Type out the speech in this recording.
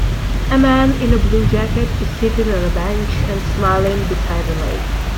A man in a blue jacket is sitting on a bench and smiling beside a lake.